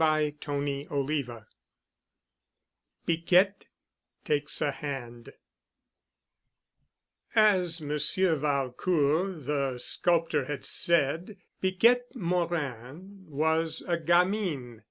*CHAPTER IX* *PIQUETTE TAKES A HAND* As Monsieur Valcourt, the sculptor, had said, Piquette Morin was a gamine.